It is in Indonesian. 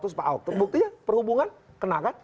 terus pak hock buktinya perhubungan kena kan